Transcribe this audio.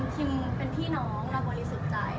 พิมเป็นพี่น้องเราบนลิสุขใจ